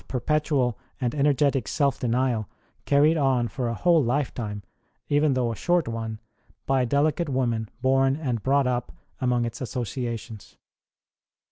ROSE OF LIMA petual and energetic self denial, carried on for a whole lifetime, even though a short one, by a delicate woman born and brought up among its associations.